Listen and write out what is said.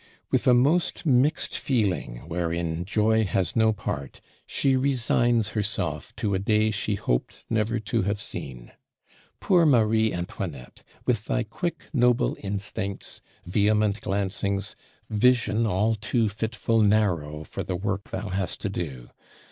With a most mixed feeling, wherein joy has no part, she resigns herself to a day she hoped never to have seen. Poor Marie Antoinette; with thy quick, noble instincts, vehement glancings, vision all too fitful narrow for the work thou hast to do!